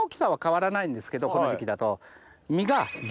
この時期だと。